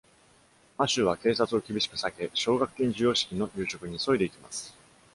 マシューは警察を厳しく避け、奨学金授与式の夕食に急いで行きます。